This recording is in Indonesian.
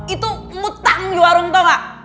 itu mutang di warung tau gak